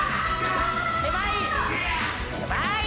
狭い！